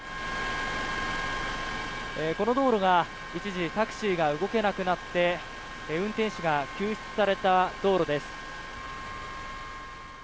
この道路が、一時タクシーが動けなくなって運転手が救出された道路です。